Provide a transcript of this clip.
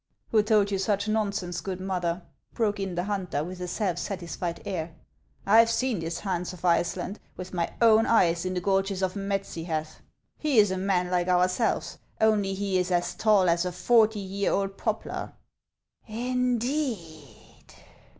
" Who told you such nonsense, good mother ?" broke in the hunter, with a self satisfied air. " I 've seen this Hans of Iceland with iny own eyes in the gorges of Medsyhath ; he is a man like ourselves, only he is as tall as a forty year old poplar." " Indeed